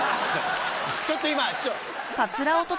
ちょっと今師匠。